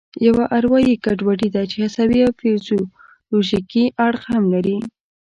یوه اروایي ګډوډي ده چې عصبي او فزیولوژیکي اړخ هم لري.